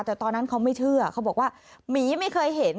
แต่ตอนนั้นเขาไม่เชื่อเขาบอกว่าหมีไม่เคยเห็น